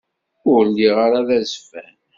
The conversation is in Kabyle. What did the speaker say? Ur lliɣ ara d azeffan.